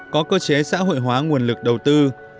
có cơ chế xã hội hóa nguồn lực đầu tư